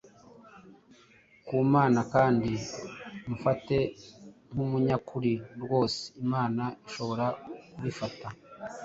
ku Mana kandi, umfate nk’umunyakuri rwose, Imana ishobora kubifata.